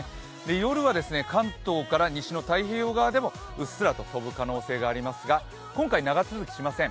夜は関東から西の太平洋側でもうっすらと飛ぶ可能性がありますが今回、長続きしません。